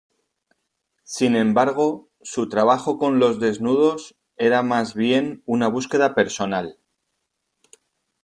Sin embargo, su trabajo con los desnudos era más bien una búsqueda personal.